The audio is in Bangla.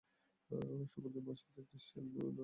শকুনদের মাঝ হতে একটি শিয়াল দৌড়ে বের হয়।